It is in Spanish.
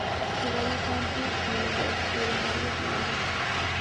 Su valle es amplio, al elaborarse sobre margas y yesos.